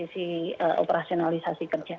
di operasionalisasi kerja